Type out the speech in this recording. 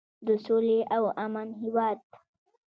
د سولې او امن هیواد.